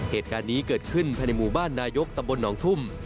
เหตุการณ์นี้เกิดขึ้นภายในหมู่บ้านนายกตำบลหนองทุ่ม